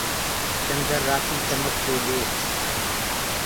چندر رآتي چمڪدو هي۔